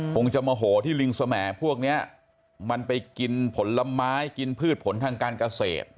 คงจะโมโหที่ลิงสมพวกนี้มันไปกินผลไม้กินพืชผลทางการเกษตร